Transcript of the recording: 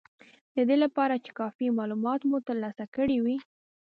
د دې لپاره چې کافي مالومات مو ترلاسه کړي وي